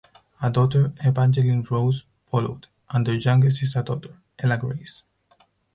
A daughter, Evangeline Rose, followed, and their youngest is a daughter, Ella Grace.